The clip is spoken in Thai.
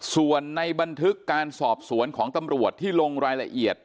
ส่วนในบันทึกการสอบสวนของตำรวจที่ลงรายละเอียด